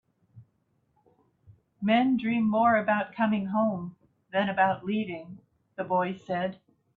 "Men dream more about coming home than about leaving," the boy said.